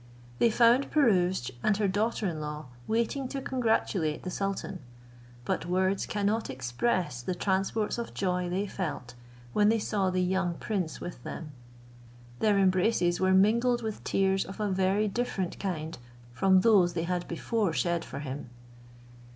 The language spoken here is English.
They found Pirouzč and her daughter in law waiting to congratulate the sultan; but words cannot express the transports of joy they felt, when they saw the young prince with him: their embraces were mingled with tears of a very different kind from those they had before shed for him.